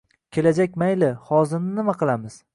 – «kelajak mayli, hozirni nima qilamiz?!».